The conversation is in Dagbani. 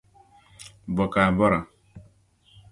Bɔ ka bɔra?